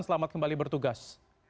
selamat kembali bertugas